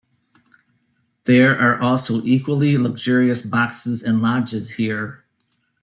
There are also equally luxurious boxes and lodges here.